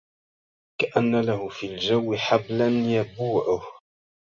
كأن له في الجو حبلا يبوعه